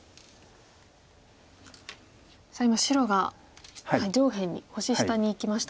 今白が上辺に星下にいきましたね。